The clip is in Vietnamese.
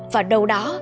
và đâu đó